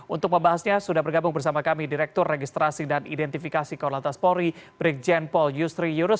untuk membahasnya sudah bergabung bersama kami direktur registrasi dan identifikasi korlantas polri brigjen paul yusri yurus